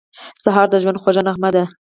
سهار د ژوند خوږه نغمه ده.